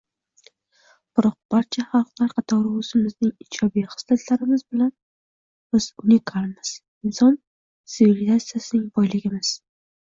Biroq, barcha xalqlar qatori o‘zimizning ijobiy xislatlarimiz bilan biz unikalmiz, inson sivilizatsiyasining boyligimiz.